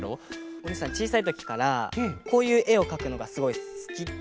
おにいさんちいさいときからこういうえをかくのがすごいすきっていうか。